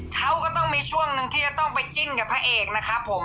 เขาก็ต้องมีช่วงหนึ่งที่จะต้องไปจิ้นกับพระเอกนะครับผม